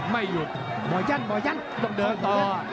ไม่หยุดต้องเดินต่อ